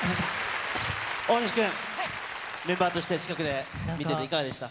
大西君、メンバーとして近くで見てていかがでした？